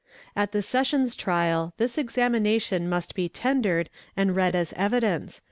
At the Sessions trial this examination must be tendered and read as evidence (Cr.